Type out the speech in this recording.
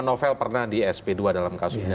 novel pernah di esp dua dalam kasus ini